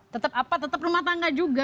tetap apa tetap rumah tangga juga